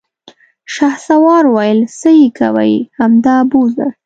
شهسوار وويل: څه يې کوې، همدا بوځه!